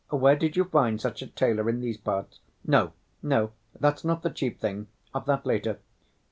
Where did you find such a tailor in these parts? No, no, that's not the chief thing—of that later.